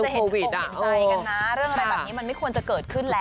ใช่ควรจรับห่วงเห็นใจนะเรื่องอะไรแบบนี้มันไม่ควรจะเกิดขึ้นแล้ว